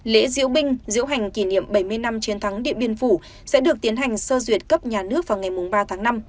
lễ diễu binh diễu hành kỷ niệm bảy mươi năm chiến thắng điện biên phủ sẽ được tiến hành sơ duyệt cấp nhà nước vào ngày ba tháng năm